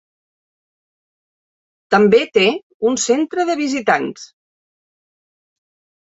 També té un centre de visitants.